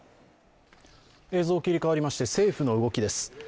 映像が切り替わりまして政府の動きです。